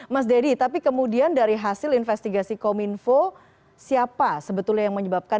mas deddy tapi kemudian dari hasil investigasi kominfo siapa sebetulnya yang menyebabkan